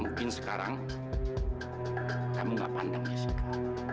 mungkin sekarang kamu enggak pandang jessica